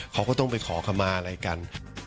เขาก็ต้องไปขอคำมาอะไรกัน